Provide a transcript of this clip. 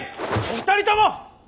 お二人とも！